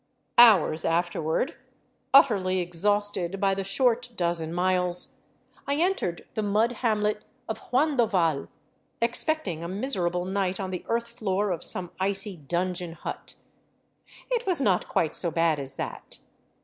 Hours afterward, utterly exhausted by the short dozen miles, I en tered the mud hamlet of Huandoval, expecting a miserable night on the earth floor of some icy dungeon hut. It was not quite so bad as that.